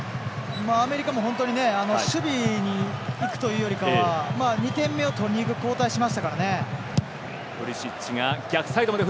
アメリカも本当に守備に行くというよりかは２点目を取りにいく交代をしましたからね。